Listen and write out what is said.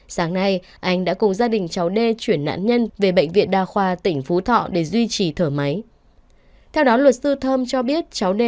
sáng nay anh đã cùng gia đình cháu đê chuyển nạn nhân về bệnh viện đa khoa tỉnh phú thọ để duy trì thở máy